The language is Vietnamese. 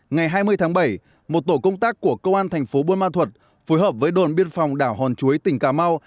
ngày hai mươi tháng bảy một tổ công tác của công an tp bun ma thuột phối hợp với đồn biên phòng đảo hòn chuối tỉnh cà mau